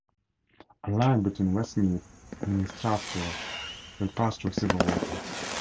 A line between Westmead and Strathfield will pass through Silverwater.